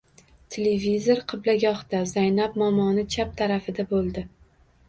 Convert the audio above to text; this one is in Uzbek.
Televizor qiblagohda — Zaynab momoni chap tarafida bo‘ldi.